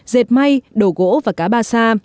dệt may đổ gỗ và cá ba sa